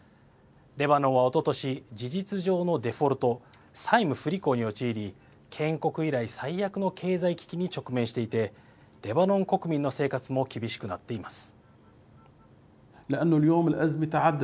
レバノンは、おととし事実上のデフォルト＝債務不履行に陥り建国以来最悪の経済危機に直面していてレバノン国民の生活も厳しくなっています。